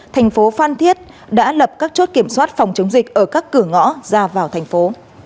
thành phố phan thiết đã lập các chốt kiểm soát phòng chống dịch ở các cửa ngõ ra vào thành phố